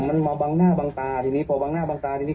มันมาบังหน้าบางตาทีนี้พอบังหน้าบางตาทีนี้